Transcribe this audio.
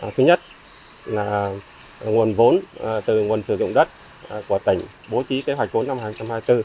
thứ nhất là nguồn vốn từ nguồn sử dụng đất của tỉnh bố trí kế hoạch vốn năm hai nghìn hai mươi bốn